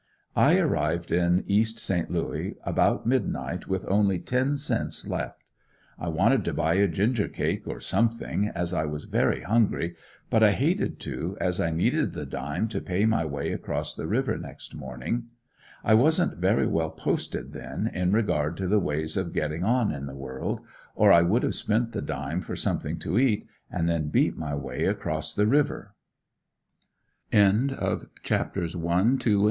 I arrived in East Saint Louis about midnight with only ten cents left. I wanted to buy a ginger cake or something, as I was very hungry, but hated to as I needed the dime to pay my way across the river next morning. I wasn't very well posted then, in regard to the ways of getting on in the world, or I would have spent the dime for something to eat, and then beat my way across the river. CHAPTER IV. MY SECOND EXPERIENCE IN ST. LOUIS.